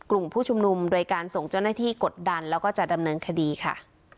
กลุ่มผู้ชุมนุมโดยการส่งเจ้าหน้าที่กดดันแล้วก็จะดำเนินคดีค่ะ